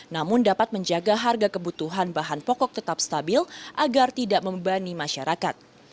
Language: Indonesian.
namun dapat menjaga harga kebutuhan bahan pokok tetap stabil agar tidak membebani masyarakat